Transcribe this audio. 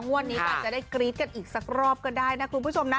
วันนี้ก็อาจจะได้กรี๊ดกันอีกสักรอบก็ได้นะคุณผู้ชมนะ